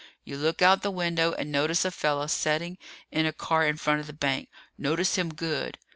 You look out the window and notice a fella setting in a car in front of the bank. Notice him good!"